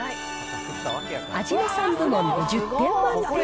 味の３部門で１０点満点。